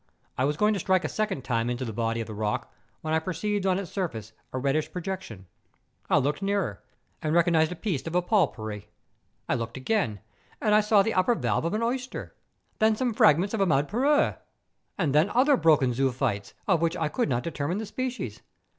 I was going to strike a second time into the body of the rock when I perceived on its surface a reddish projection. I looked nearer, and recognised a piece of a pol^^pary. I looked again, and I saw the upper valve of an oyster ; then some fragments of a madrepore, then of other broken zoophytes, of which I could not determine the species.